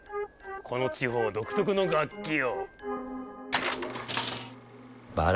この地方独特の楽器よ。